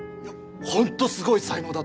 ホントすごい才能だと思う。